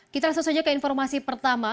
kita langsung saja ke informasi pertama